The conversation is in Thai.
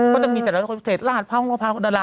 ก็จะมีแต่ละคนพิเศษลาดเภาะของธุรกิจดารา